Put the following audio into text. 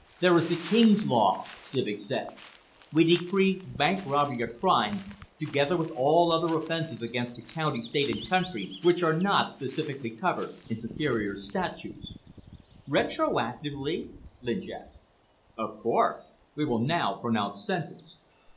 "There is the King's Law," Civek said. "We decree bank robbery a crime, together with all other offenses against the county, state and country which are not specifically covered in Superior's statutes." "Retroactively?" Lynch asked. "Of course. We will now pronounce sentence.